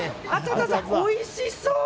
おいしそう。